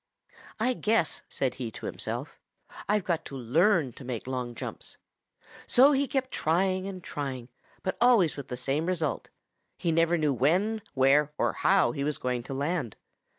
"'I guess,' said he to himself, 'I've got to learn to make long jumps.' So he kept trying and trying, but always with the same result he never knew when, where, or how he was going to land.